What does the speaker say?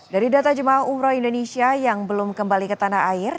dari data jemaah umroh indonesia yang belum kembali ke tanah air